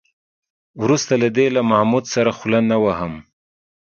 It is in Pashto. وروسته له دې له محمود سره خوله نه وهم.